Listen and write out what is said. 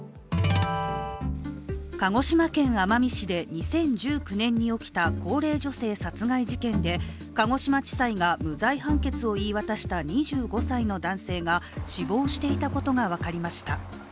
鹿児島県奄美市で２０１９年に起きた高齢女性殺害事件で鹿児島地裁が無罪判決を言い渡した２５歳の男性が死亡していたことが分かりました。